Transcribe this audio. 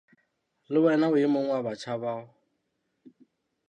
Le wena o e mong wa batjha bao.